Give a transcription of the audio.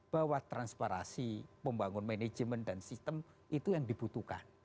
bahwa transparasi membangun manajemen dan sistem itu yang dibutuhkan